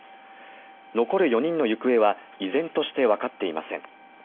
残る４人の行方は依然としてわかっていません。